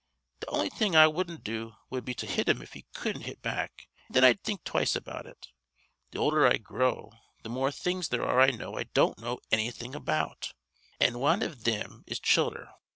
Th' on'y thing I wudden't do wud be to hit him if he cudden't hit back, an' thin I'd think twice about it. Th' older I grow th' more things there are I know I don't know annything about. An' wan iv thim is childher.